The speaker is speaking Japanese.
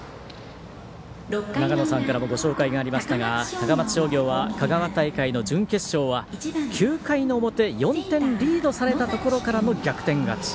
長野さんからもご紹介がありましたが高松商業は香川大会の準決勝は９回の表４点リードされたところからの逆転勝ち。